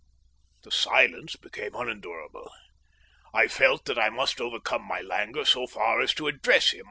The silence became unendurable. I felt that I must overcome my languor so far as to address him.